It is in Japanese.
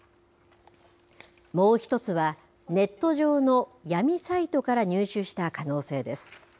もう１つは、ネット上の闇サイトから入手した可能性です。